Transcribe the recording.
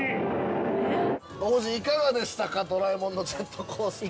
◆ご夫人、いかがでしたか、ドラえもんのジェットコースター。